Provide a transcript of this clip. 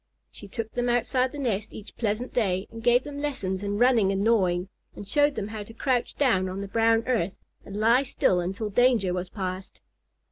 She took them outside the nest each pleasant day and gave them lessons in running and gnawing, and showed them how to crouch down on the brown earth and lie still until danger was past.